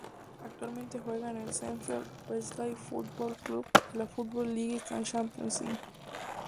Actualmente juega en el Sheffield Wednesday Football Club de la Football League Championship